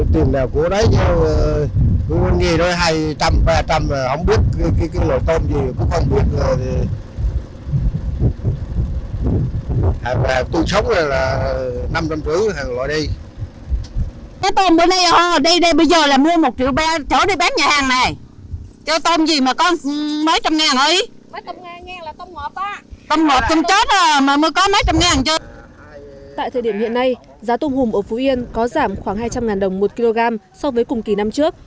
tại thời điểm hiện nay giá tôm hùm ở phú yên có giảm khoảng hai trăm linh đồng một kg so với cùng kỳ năm trước